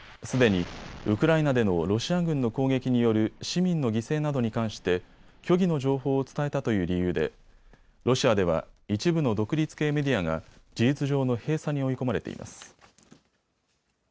すでにウクライナでのロシア軍の攻撃による市民の犠牲などに関して虚偽の情報を伝えたという理由でロシアでは一部の独立系メディアが事実上の閉鎖に追い込まれています。